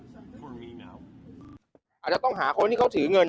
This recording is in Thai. ตัวชมก็ความสิทธิ์ของผมที่ว่าอาจจะต้องหาคนที่เขาถือเงิน